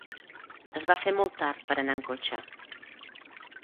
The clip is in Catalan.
Es va fer molt tard per anar en cotxe.